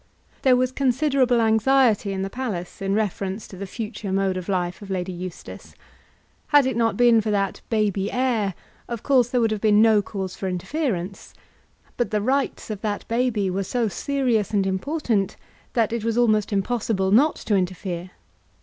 There was considerable anxiety in the palace in reference to the future mode of life of Lady Eustace. Had it not been for that baby heir, of course there would have been no cause for interference; but the rights of that baby were so serious and important that it was almost impossible not to interfere.